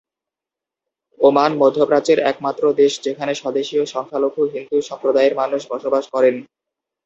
Oman মধ্যপ্রাচ্যের একমাত্র দেশ যেখানে স্বদেশীয় সংখ্যালঘু হিন্দু সম্প্রদায়ের মানুষ বসবাস করেন।